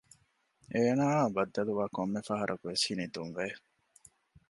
އޭނާއާއި ބައްދަލުވާ ކޮންމެ ފަހަރަކު ހިނިތުންވެ